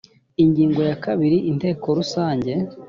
ingingo ya kabiri inteko rusange